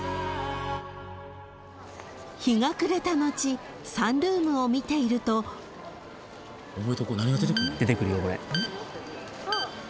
［日が暮れた後サンルームを見ていると］出てくるよこれ。